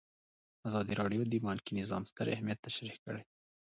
ازادي راډیو د بانکي نظام ستر اهميت تشریح کړی.